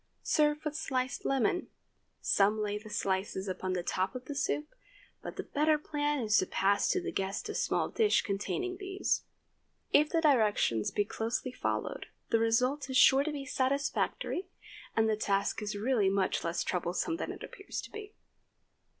Serve with sliced lemon. Some lay the slices upon the top of the soup, but the better plan is to pass to the guests a small dish containing these. If the directions be closely followed, the result is sure to be satisfactory, and the task is really much less troublesome than it appears to be.